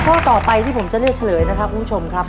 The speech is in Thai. ข้อต่อไปที่ผมจะเลือกเฉลยนะครับคุณผู้ชมครับ